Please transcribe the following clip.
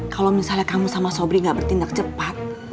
kalau misalnya kamu sama sobri gak bertindak cepat